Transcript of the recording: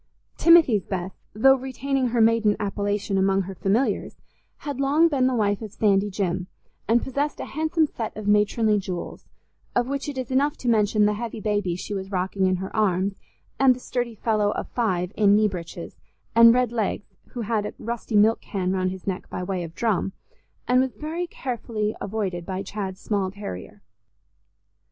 Timothy's Bess, though retaining her maiden appellation among her familiars, had long been the wife of Sandy Jim, and possessed a handsome set of matronly jewels, of which it is enough to mention the heavy baby she was rocking in her arms, and the sturdy fellow of five in knee breeches, and red legs, who had a rusty milk can round his neck by way of drum, and was very carefully avoided by Chad's small terrier.